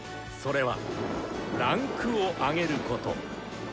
それは「位階を上げる」こと。